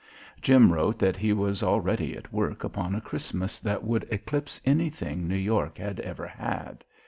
Jim wrote that he was already at work upon a Christmas that would eclipse anything New York had ever had.